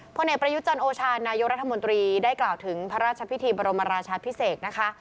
ผลเอกประยุจันโอชานายกรัฐมนตรีได้กล่าวถึงพระราชพิธีบรมราชาพิเศษนะคะ